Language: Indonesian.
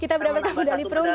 kita berambah satu medali perunggu